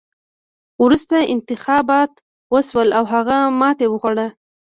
وروسته انتخابات وشول او هغه ماتې وخوړه.